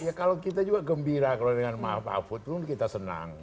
ya kalau kita juga gembira kalau dengan maaf pak mahfud itu kita senang